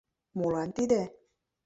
Молан тиде?